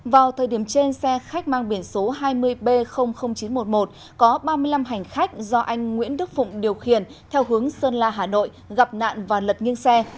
vào thời điểm trên xe khách mang biển số hai mươi b chín trăm một mươi một có ba mươi năm hành khách do anh nguyễn đức phụng điều khiển theo hướng sơn la hà nội gặp nạn và lật nghiêng xe